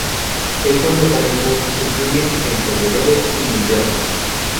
Estos mecanismos incluyen encendedores y linternas.